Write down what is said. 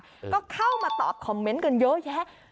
ก็เข้ามาตอบคอมเมนต์กันเยอะแยะ